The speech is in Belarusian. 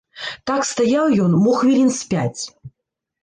Так стаяў ён мо хвілін з пяць.